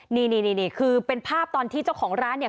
นี่นี่คือเป็นภาพตอนที่เจ้าของร้านเนี่ย